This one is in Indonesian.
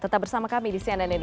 tetap bersama kami di cnn indonesia